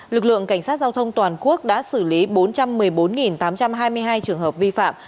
lực lượng cảnh sát giao thông toàn quốc đã xử lý bốn trăm một mươi bốn tám trăm hai mươi hai trường hợp vi phạm